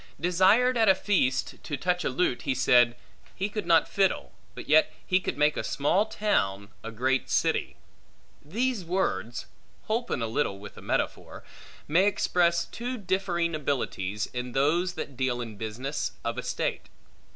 Desired at a feast to touch a lute, he said, He could not fiddle, but yet he could make a small town, a great city. These words (holpen a little with a metaphor) may express two differing abilities, in those that deal in business of estate.